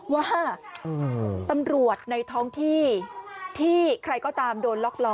ว่าตำรวจในท้องที่ที่ใครก็ตามโดนล็อกล้อ